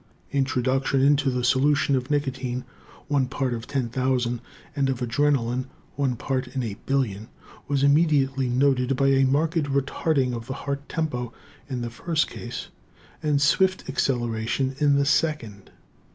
Introduction into the solution of nicotine one part in 10,000 and of adrenalin one part in a billion was immediately noted by a marked retarding of the heart tempo in the first case and swift acceleration in the second.